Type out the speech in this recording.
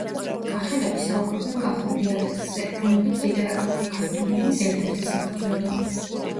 კახელები საუბრობენ კახურ დიალექტზე, რომელიც ლიტერატურული ქართული ენის ერთ-ერთი საფუძველია.